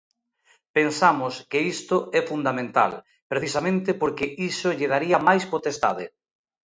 Pensamos que isto é fundamental, precisamente porque iso lle daría máis potestade.